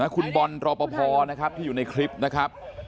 คุณบอนรอบพอพี่อยู่ในคลิปนะครับ